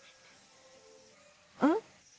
うん？